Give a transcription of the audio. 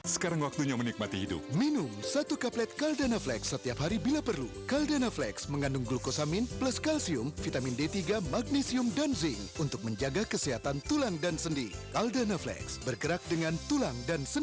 sekarang waktunya menikmati hidup